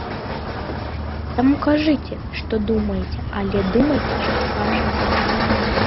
Таму кажыце, што думаеце, але думайце, што кажаце!